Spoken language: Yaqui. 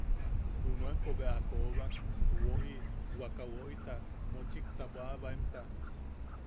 Junuenpo bea a koobak juʼu woʼi wakaʼa woʼita mochikta bwaʼabaemta.